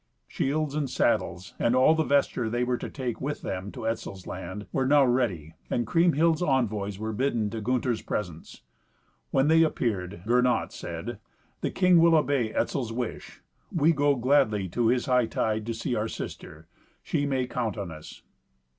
Shields and saddles and all the vesture they were to take with them, to Etzel's land, were now ready, and Kriemhild's envoys were bidden to Gunther's presence. When they appeared, Gernot said, "The king will obey Etzel's wish. We go gladly to his hightide to see our sister. She may count on us."